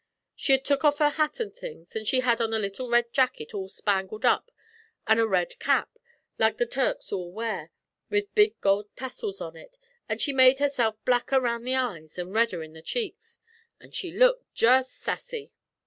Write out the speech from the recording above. She had took off her hat an' things, an' she had on a little red jacket all spangled up, an' a red cap, like the Turks all wear, with a big gold tassel on it, an' she'd made herself blacker round the eyes, an' redder in the cheeks, an' she looked jest sassy.'